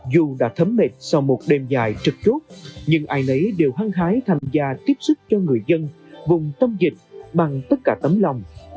dù đã thấm mệt sau một đêm dài trực chốt nhưng ai nấy đều hăng hái tham gia tiếp sức cho người dân vùng tâm dịch bằng tất cả tấm lòng